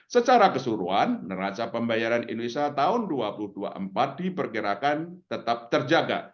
secara keseluruhan neraca pembayaran indonesia tahun dua ribu dua puluh empat diperkirakan tetap terjaga